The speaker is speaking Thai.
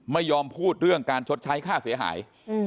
ไม่ยอมพูดเรื่องการชดใช้ค่าเสียหาย